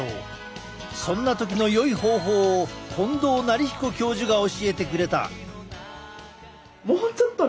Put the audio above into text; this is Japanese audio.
そんな時のよい方法を近藤徳彦教授が教えてくれた。